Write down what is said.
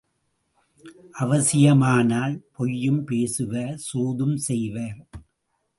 அவசியமானால் பொய்யும் பேசுவர் சூதும் செய்வர்.